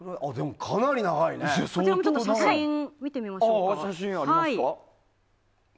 こちらも写真を見てみましょう。